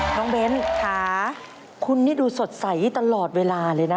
เบ้นค่ะคุณนี่ดูสดใสตลอดเวลาเลยนะ